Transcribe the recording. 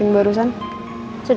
yang memberikan hidup solupsi